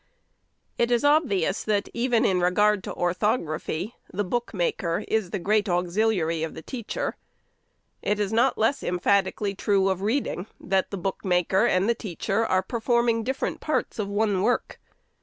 It is obvious, that even in regard to orthography, the book maker is the great auxiliary of the teacher. It is not less emphatically true of reading, that the book maker and the teacher are performing different parts of one work.